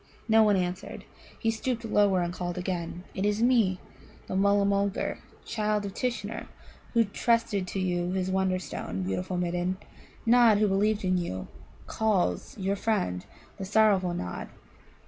No one answered. He stooped lower, and called again. "It is me, the Mulla mulgar, child of Tishnar, who trusted to you his Wonderstone, beautiful Midden. Nod, who believed in you, calls your friend, the sorrowful Nod!"